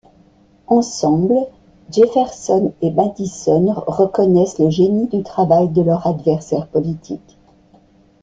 Ensemble, Jefferson et Madison reconnaissent le génie du travail de leur adversaire politique.